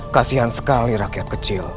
kasian sekali rakyat kecil